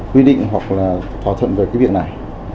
quy định hoặc là thỏa thuận về cái việc này